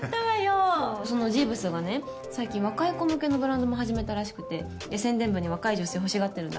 そうそのジーヴズがね最近若い子向けのブランドも始めたらしくてで宣伝部に若い女性欲しがってるんだって。